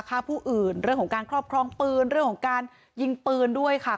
ฆ่าผู้อื่นเรื่องของการครอบครองปืนเรื่องของการยิงปืนด้วยค่ะ